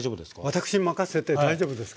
私に任せて大丈夫ですか？